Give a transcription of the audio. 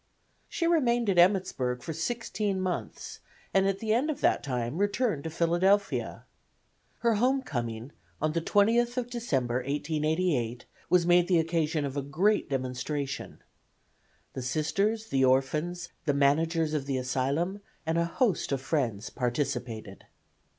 She remained at Emmittsburg for sixteen months, and at the end of that time returned to Philadelphia. Her home coming on the 20th of December, 1888, was made the occasion of a great demonstration. The Sisters, the orphans, the managers of the asylum and a host of friends participated.